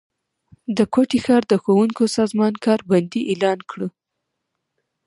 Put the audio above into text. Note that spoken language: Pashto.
د کوټي ښار د ښونکو سازمان کار بندي اعلان کړه